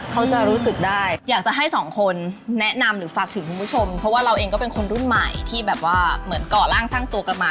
ก็จริงเท่าที่เคยทราบมา